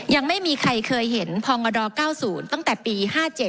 ยังไม่มีใครเคยเห็นพงด๙๐ตั้งแต่ปี๕๗